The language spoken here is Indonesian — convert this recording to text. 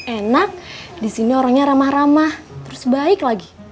enak di sini orangnya ramah ramah terus baik lagi